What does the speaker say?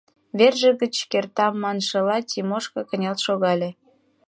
Верже гыч, кертам маншыла, Тимошка кынел шогале.